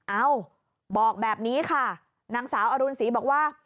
เอ้าบอกแบบนี้ค่ะนางสาวอรุณศรีบอกว่า